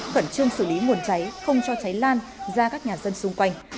khẩn trương xử lý nguồn cháy không cho cháy lan ra các nhà dân xung quanh